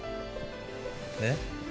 えっ？